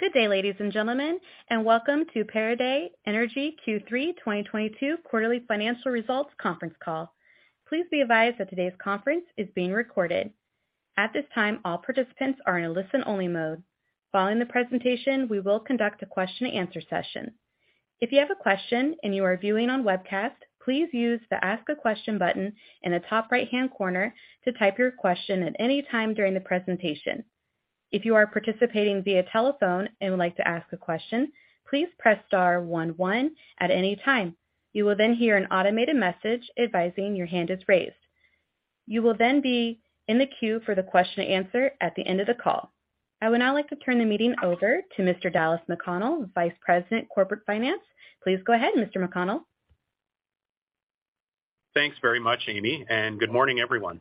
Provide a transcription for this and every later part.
Good day, ladies and gentlemen, and welcome to Pieridae Energy Q3 2022 quarterly financial results conference call. Please be advised that today's conference is being recorded. At this time, all participants are in a listen-only mode. Following the presentation, we will conduct a question-and-answer session. If you have a question and you are viewing on webcast, please use the ask a question button in the top right-hand corner to type your question at any time during the presentation. If you are participating via telephone and would like to ask a question, please press star one one at any time. You will then hear an automated message advising your hand is raised. You will then be in the queue for the question-and-answer at the end of the call. I would now like to turn the meeting over to Mr. Dallas McConnell, Vice President, Corporate Finance. Please go ahead, Mr. McConnell. Thanks very much, Amy, and good morning, everyone.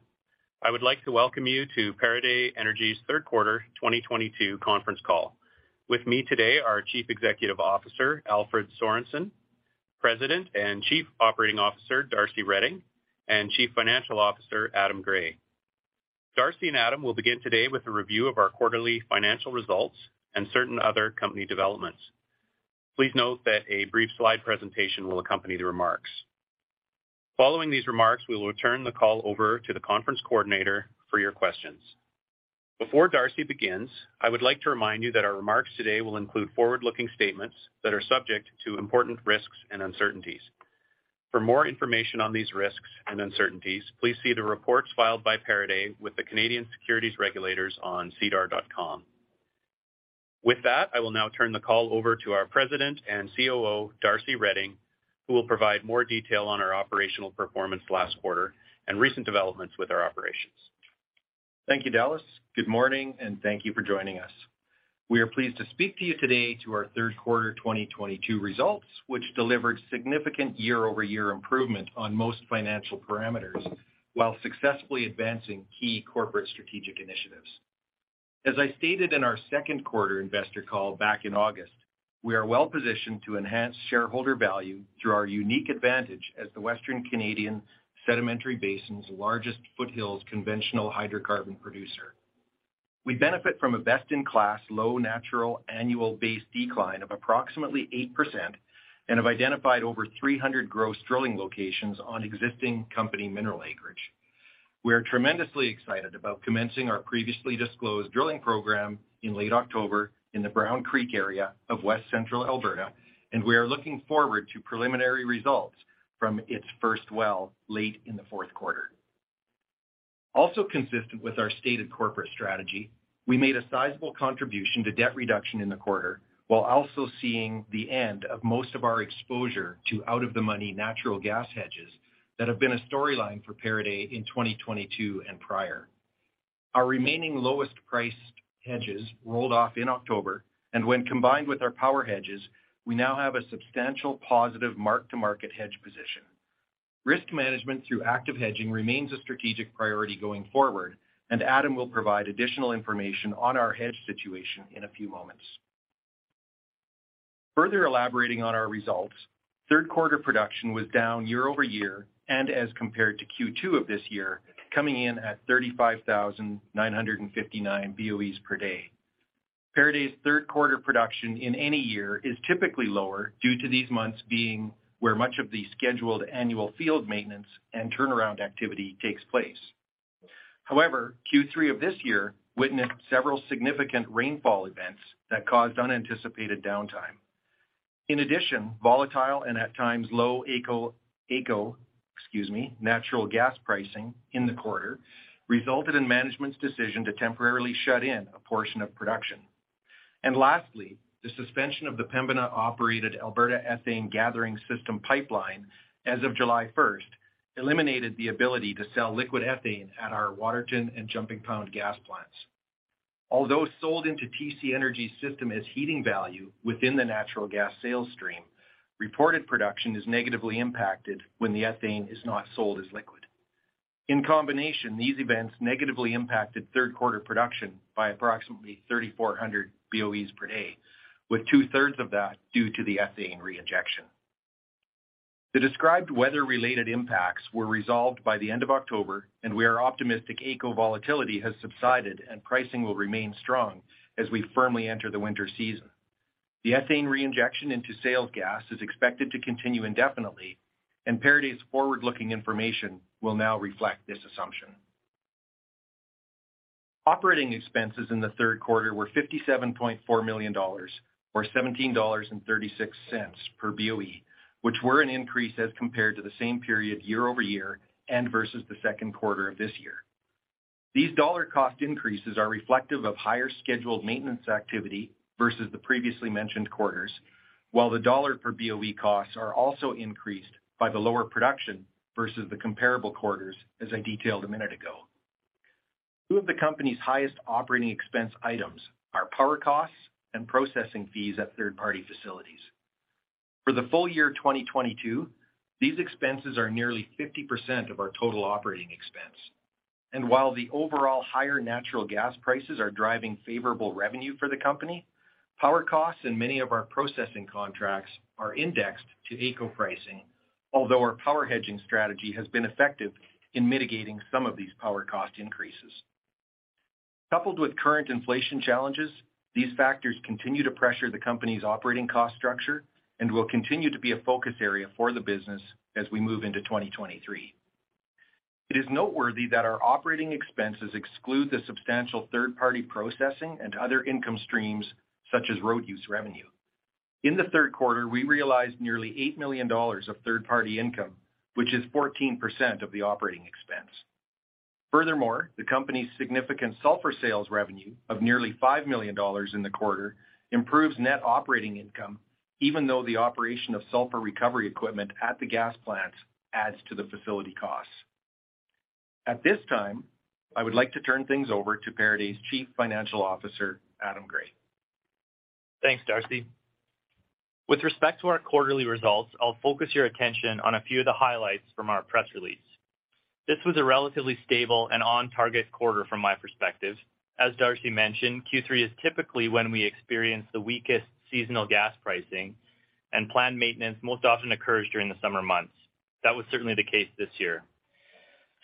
I would like to welcome you to Pieridae Energy's third quarter 2022 conference call. With me today, our Chief Executive Officer, Alfred Sorensen, President and Chief Operating Officer, Darcy Reding, and Chief Financial Officer, Adam Gray. Darcy and Adam will begin today with a review of our quarterly financial results and certain other company developments. Please note that a brief slide presentation will accompany the remarks. Following these remarks, we will turn the call over to the conference coordinator for your questions. Before Darcy begins, I would like to remind you that our remarks today will include forward-looking statements that are subject to important risks and uncertainties. For more information on these risks and uncertainties, please see the reports filed by Pieridae with the Canadian Securities Regulators on sedar.com. With that, I will now turn the call over to our President and COO, Darcy Reding, who will provide more detail on our operational performance last quarter and recent developments with our operations. Thank you, Dallas. Good morning, and thank you for joining us. We are pleased to speak to you today to our third quarter 2022 results, which delivered significant year-over-year improvement on most financial parameters while successfully advancing key corporate strategic initiatives. As I stated in our second quarter investor call back in August, we are well-positioned to enhance shareholder value through our unique advantage as the Western Canadian Sedimentary Basin's largest foothills conventional hydrocarbon producer. We benefit from a best-in-class low natural annual base decline of approximately 8% and have identified over 300 gross drilling locations on existing company mineral acreage. We are tremendously excited about commencing our previously disclosed drilling program in late October in the Brown Creek area of West Central Alberta, and we are looking forward to preliminary results from its first well late in the fourth quarter. Also consistent with our stated corporate strategy, we made a sizable contribution to debt reduction in the quarter, while also seeing the end of most of our exposure to out-of-the-money natural gas hedges that have been a storyline for Pieridae in 2022 and prior. Our remaining lowest priced hedges rolled off in October, and when combined with our power hedges, we now have a substantial positive mark-to-market hedge position. Risk management through active hedging remains a strategic priority going forward, and Adam will provide additional information on our hedge situation in a few moments. Further elaborating on our results, third quarter production was down year-over-year and as compared to Q2 of this year, coming in at 35,959 BOEs per day. Pieridae third quarter production in any year is typically lower due to these months being where much of the scheduled annual field maintenance and turnaround activity takes place. However, Q3 of this year witnessed several significant rainfall events that caused unanticipated downtime. In addition, volatile and at times low AECO, excuse me, natural gas pricing in the quarter resulted in management's decision to temporarily shut in a portion of production. Lastly, the suspension of the Pembina-operated Alberta Ethane Gathering System pipeline as of July 1st eliminated the ability to sell liquid ethane at our Waterton and Jumping Pound gas plants. Although sold into TC Energy system as heating value within the natural gas sales stream, reported production is negatively impacted when the ethane is not sold as liquid. In combination, these events negatively impacted third quarter production by approximately 3,400 BOEs per day, with two-thirds of that due to the ethane reinjection. The described weather-related impacts were resolved by the end of October, and we are optimistic AECO volatility has subsided, and pricing will remain strong as we firmly enter the winter season. The ethane reinjection into sales gas is expected to continue indefinitely, and Pieridae forward-looking information will now reflect this assumption. Operating expenses in the third quarter were 57.4 million dollars or 17.36 dollars per BOE, which were an increase as compared to the same period year-over-year and versus the second quarter of this year. These dollar cost increases are reflective of higher scheduled maintenance activity versus the previously mentioned quarters, while the dollar per BOE costs are also increased by the lower production versus the comparable quarters, as I detailed a minute ago. Two of the company's highest operating expense items are power costs and processing fees at third-party facilities. For the full year 2022, these expenses are nearly 50% of our total operating expense. While the overall higher natural gas prices are driving favorable revenue for the company, power costs and many of our processing contracts are indexed to AECO pricing. Although our power hedging strategy has been effective in mitigating some of these power cost increases. Coupled with current inflation challenges, these factors continue to pressure the company's operating cost structure and will continue to be a focus area for the business as we move into 2023. It is noteworthy that our operating expenses exclude the substantial third-party processing and other income streams, such as road use revenue. In the third quarter, we realized nearly 8 million dollars of third-party income, which is 14% of the operating expense. Furthermore, the company's significant sulphur sales revenue of nearly 5 million dollars in the quarter improves net operating income, even though the operation of sulphur recovery equipment at the gas plant adds to the facility costs. At this time, I would like to turn things over to Pieridae's Chief Financial Officer, Adam Gray. Thanks, Darcy. With respect to our quarterly results, I'll focus your attention on a few of the highlights from our press release. This was a relatively stable and on-target quarter from my perspective. As Darcy mentioned, Q3 is typically when we experience the weakest seasonal gas pricing and planned maintenance most often occurs during the summer months. That was certainly the case this year.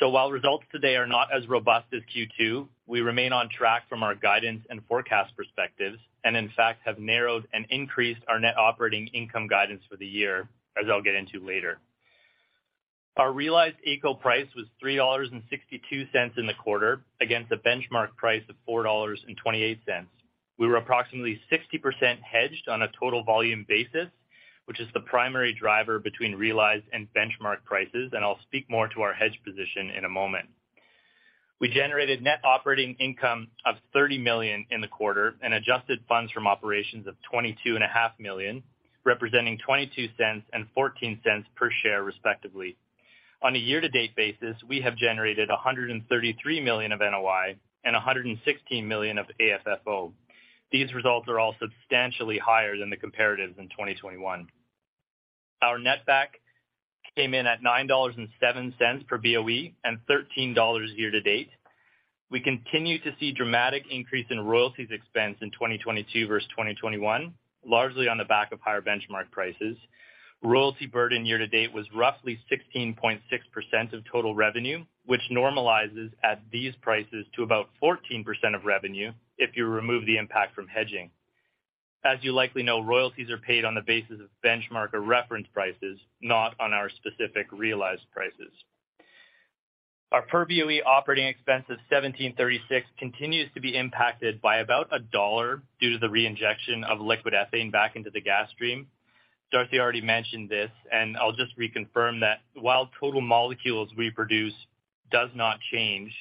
While results today are not as robust as Q2, we remain on track from our guidance and forecast perspectives, and in fact have narrowed and increased our net operating income guidance for the year, as I'll get into later. Our realized AECO price was 3.62 dollars in the quarter against a benchmark price of 4.28 dollars. We were approximately 60% hedged on a total volume basis, which is the primary driver between realized and benchmark prices, and I'll speak more to our hedge position in a moment. We generated net operating income of 30 million in the quarter and adjusted funds from operations of 22.5 million, representing 0.22 and 0.14 per share, respectively. On a year-to-date basis, we have generated 133 million of NOI and 116 million of AFFO. These results are all substantially higher than the comparatives in 2021. Our net back came in at 9.07 dollars per BOE and 13 dollars year to date. We continue to see dramatic increase in royalties expense in 2022 versus 2021, largely on the back of higher benchmark prices. Royalty burden year to date was roughly 16.6% of total revenue, which normalizes at these prices to about 14% of revenue if you remove the impact from hedging. As you likely know, royalties are paid on the basis of benchmark or reference prices, not on our specific realized prices. Our per BOE operating expense of 17.36 continues to be impacted by about CAD 1 due to the reinjection of liquid ethane back into the gas stream. Darcy already mentioned this, and I'll just reconfirm that while total molecules we produce does not change,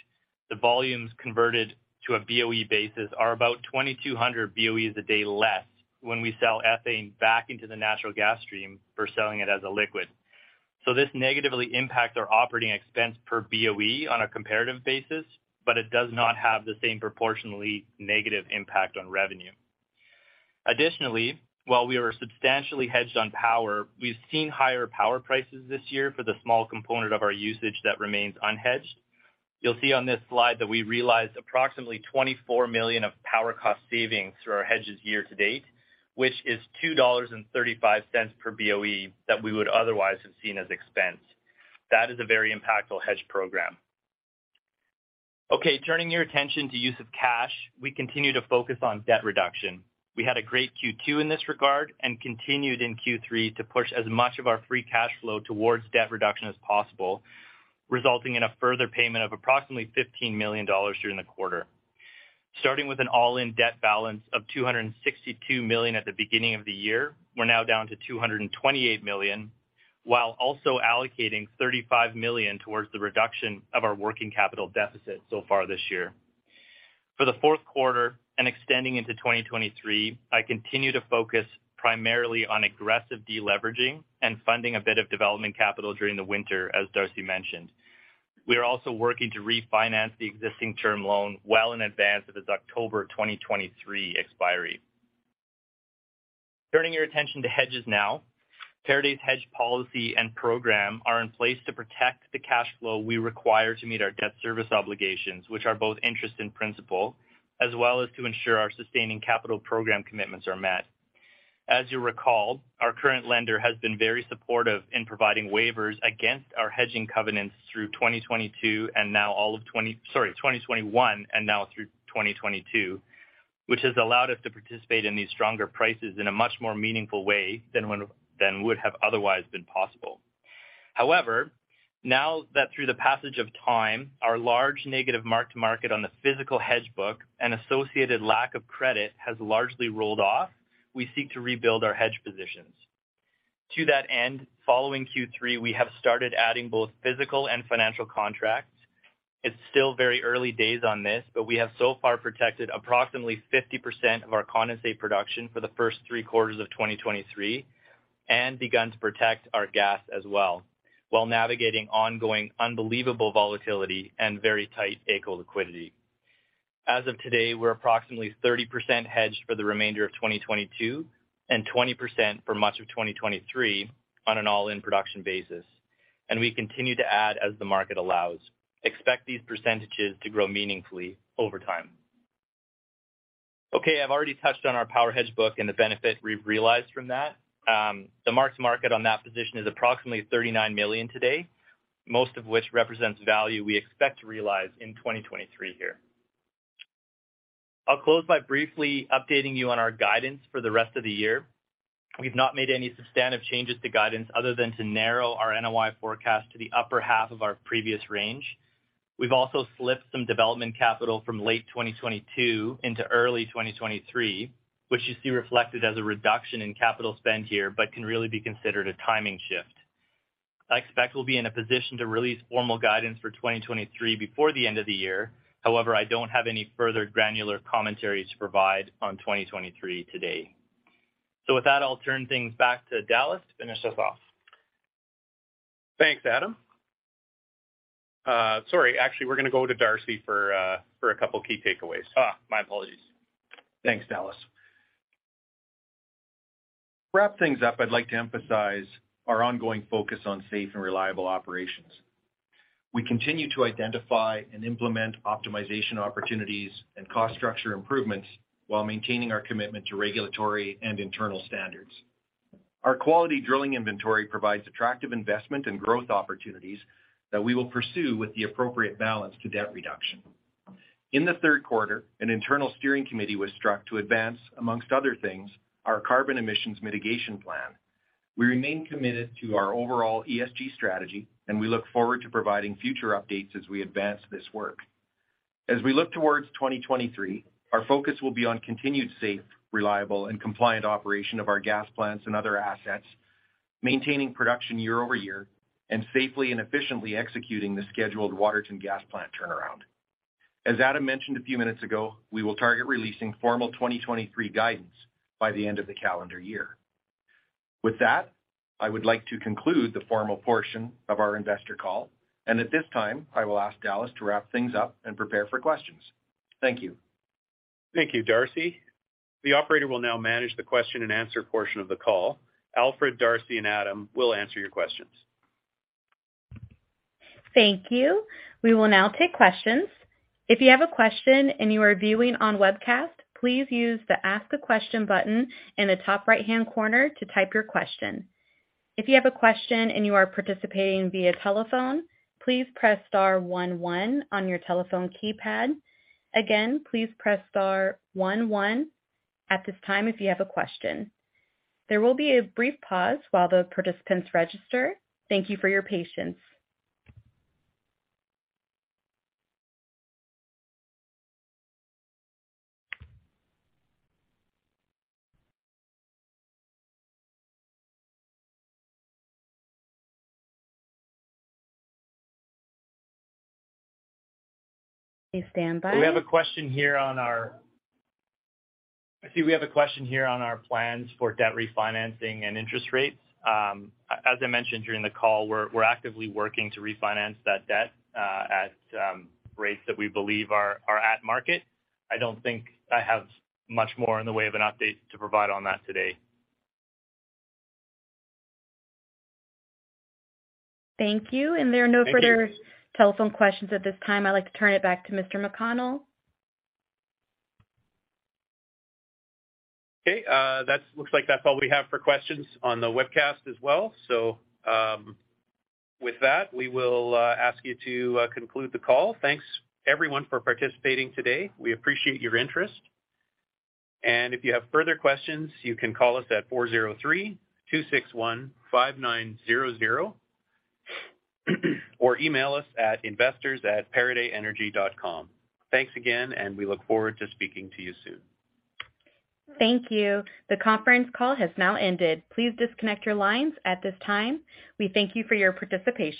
the volumes converted to a BOE basis are about 2,200 BOEs a day less when we sell ethane back into the natural gas stream for selling it as a liquid. This negatively impacts our operating expense per BOE on a comparative basis, but it does not have the same proportionally negative impact on revenue. Additionally, while we are substantially hedged on power, we've seen higher power prices this year for the small component of our usage that remains unhedged. You'll see on this slide that we realized approximately 24 million of power cost savings through our hedges year to date, which is 2.35 dollars per BOE that we would otherwise have seen as expense. That is a very impactful hedge program. Okay, turning your attention to use of cash, we continue to focus on debt reduction. We had a great Q2 in this regard and continued in Q3 to push as much of our free cash flow towards debt reduction as possible, resulting in a further payment of approximately 15 million dollars during the quarter. Starting with an all-in debt balance of 262 million at the beginning of the year, we're now down to 228 million, while also allocating 35 million towards the reduction of our working capital deficit so far this year. For the fourth quarter and extending into 2023, I continue to focus primarily on aggressive deleveraging and funding a bit of development capital during the winter, as Darcy mentioned. We are also working to refinance the existing term loan well in advance of its October 2023 expiry. Turning your attention to hedges now. Pieridae's hedge policy and program are in place to protect the cash flow we require to meet our debt service obligations, which are both interest and principal, as well as to ensure our sustaining capital program commitments are met. As you recall, our current lender has been very supportive in providing waivers against our hedging covenants through 2022 and now all of 2021 and now through 2022, which has allowed us to participate in these stronger prices in a much more meaningful way than would have otherwise been possible. However, now that through the passage of time, our large negative mark-to-market on the physical hedge book and associated lack of credit has largely rolled off, we seek to rebuild our hedge positions. To that end, following Q3, we have started adding both physical and financial contracts. It's still very early days on this, but we have so far protected approximately 50% of our condensate production for the first three quarters of 2023 and begun to protect our gas as well while navigating ongoing unbelievable volatility and very tight AECO liquidity. As of today, we're approximately 30% hedged for the remainder of 2022 and 20% for much of 2023 on an all-in production basis, and we continue to add as the market allows. Expect these percentages to grow meaningfully over time. Okay. I've already touched on our power hedge book and the benefit we've realized from that. The mark-to-market on that position is approximately 39 million today, most of which represents value we expect to realize in 2023 here. I'll close by briefly updating you on our guidance for the rest of the year. We've not made any substantive changes to guidance other than to narrow our NOI forecast to the upper half of our previous range. We've also slipped some development capital from late 2022 into early 2023, which you see reflected as a reduction in capital spend here but can really be considered a timing shift. I expect we'll be in a position to release formal guidance for 2023 before the end of the year. However, I don't have any further granular commentary to provide on 2023 today. With that, I'll turn things back to Dallas to finish us off. Thanks, Adam. Sorry, actually, we're gonna go to Darcy for a couple key takeaways. My apologies. Thanks, Dallas. To wrap things up, I'd like to emphasize our ongoing focus on safe and reliable operations. We continue to identify and implement optimization opportunities and cost structure improvements while maintaining our commitment to regulatory and internal standards. Our quality drilling inventory provides attractive investment and growth opportunities that we will pursue with the appropriate balance to debt reduction. In the third quarter, an internal steering committee was struck to advance, among other things, our carbon emissions mitigation plan. We remain committed to our overall ESG strategy, and we look forward to providing future updates as we advance this work. As we look towards 2023, our focus will be on continued safe, reliable, and compliant operation of our gas plants and other assets, maintaining production year-over-year, and safely and efficiently executing the scheduled Waterton gas plant turnaround. As Adam mentioned a few minutes ago, we will target releasing formal 2023 guidance by the end of the calendar year. With that, I would like to conclude the formal portion of our investor call. At this time, I will ask Dallas to wrap things up and prepare for questions. Thank you. Thank you, Darcy. The operator will now manage the question-and-answer portion of the call. Alfred, Darcy, and Adam will answer your questions. Thank you. We will now take questions. If you have a question and you are viewing on webcast, please use the ask a question button in the top right-hand corner to type your question. If you have a question and you are participating via telephone, please press star one one on your telephone keypad. Again, please press star one one at this time if you have a question. There will be a brief pause while the participants register. Thank you for your patience. Please stand by. I see we have a question here on our plans for debt refinancing and interest rates. As I mentioned during the call, we're actively working to refinance that debt at rates that we believe are at market. I don't think I have much more in the way of an update to provide on that today. Thank you. Thank you. There are no further telephone questions at this time. I'd like to turn it back to Mr. McConnell. Okay. That looks like that's all we have for questions on the webcast as well. With that, we will ask you to conclude the call. Thanks, everyone, for participating today. We appreciate your interest. If you have further questions, you can call us at 403-261-5900 or email us at investors@pieridaeenergy.com. Thanks again, and we look forward to speaking to you soon. Thank you. The conference call has now ended. Please disconnect your lines at this time. We thank you for your participation.